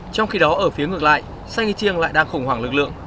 trong khi đó ở phía ngược lại saint étienne lại đang khủng hoảng lực lượng